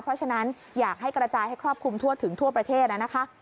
เพราะฉะนั้นอยากให้กระจายให้ครอบคลุมทั่วถึงทั่วประเทศนะคะ